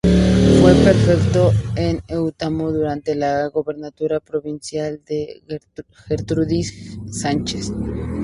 Fue prefecto en Huetamo durante la gubernatura provisional de Gertrudis G. Sánchez.